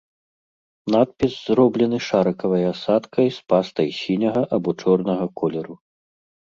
Надпіс зроблены шарыкавай асадкай з пастай сіняга або чорнага колеру.